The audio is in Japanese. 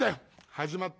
「始まった。